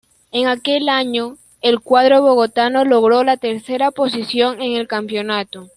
En aquel año, el cuadro bogotano logró la tercera posición en el campeonato.